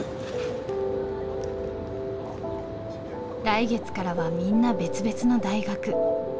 来月からはみんな別々の大学。